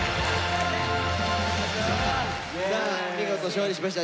見事勝利しました